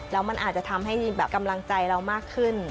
แล้วมันอาจจะทำให้กำลังใจเรามากขึ้น